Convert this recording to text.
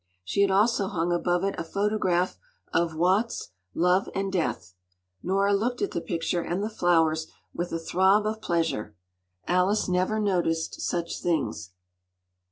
She had also hung above it a photograph of Watts “Love and Death.” Nora looked at the picture and the flowers with a throb of pleasure. Alice never noticed such things.